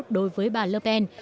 đối với bà le pen